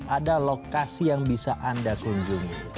ada lokasi yang bisa anda kunjungi